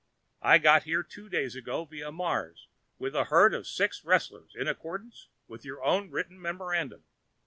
I got here two days ago via Mars with a herd of six wrestlers, in accordance with your own written memorandum.